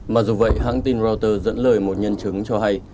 mặc dù vậy hãng tin reuters dẫn lời một nhân chứng cho hay